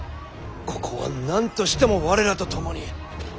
ここは何としても我らと共に。